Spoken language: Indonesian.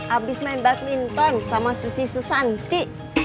abis main badminton sama susi susanti